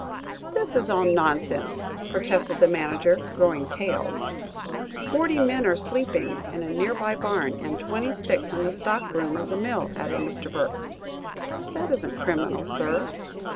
"This is all nonsense!" protested the manager, growing pale. "Forty men are sleeping in a near by barn, and twenty six in the stock room of the mill," added Mr. Burke. "That isn't criminal, sir."